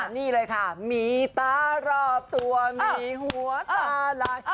นี่เลยค่ะมีตารอบตัวมีหัวตาลาย